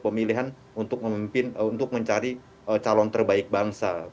pemilihan untuk memimpin untuk mencari calon terbaik bangsa